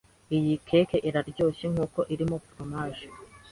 Iyi cake iraryoshye nkuko irimo foromaje.